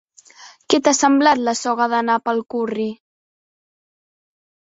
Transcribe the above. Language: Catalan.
Què t'ha semblat la soga de nap al curri?